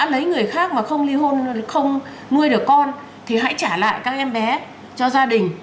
lại các em bé cho gia đình